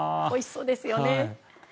おいしそうですよね。